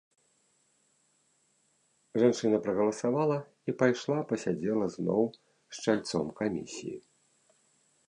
Жанчына прагаласавала і пайшла пасядзела зноў з чальцом камісіі.